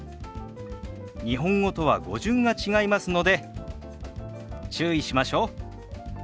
日本語とは語順が違いますので注意しましょう。